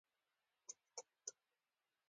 هغه د خلکو مینه او همکاري ولیده.